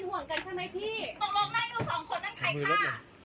ตกลงหน้ากับสองคนนั้นใครค่ะ